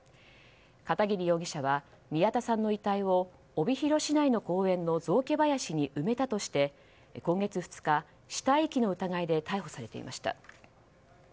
片桐容疑者は宮田さんの遺体を帯広市内の公園の雑木林に埋めたとして今月２日死体遺棄の疑いで逮捕されていました。